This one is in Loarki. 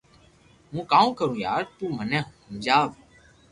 ھون ڪاو ڪرو يار تو مني ھمجاو